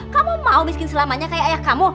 kamu mau bikin selamanya kayak ayah kamu